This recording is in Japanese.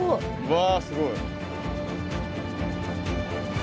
わすごい。